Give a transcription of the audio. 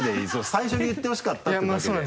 最初に言ってほしかったっていうだけで。